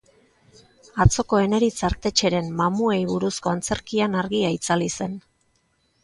Atzoko Eneritz Artetxeren mamuei buruzko antzerkian argia itzali zen.